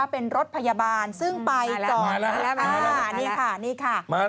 เป็นรถพยาบาลซึ่งไปก่อนมาแล้ว